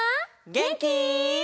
げんき？